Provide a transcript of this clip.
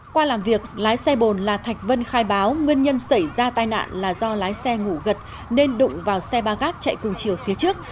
qua làm việc lái xe bồn là thạch vân khai báo nguyên nhân xảy ra tai nạn là do lái xe ngủ gật nên đụng vào xe ba gác chạy cùng chiều phía trước